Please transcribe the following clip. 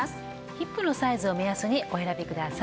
ヒップのサイズを目安にお選びください。